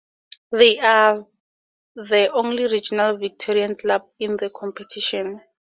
They are the only regional Victorian club in the competition.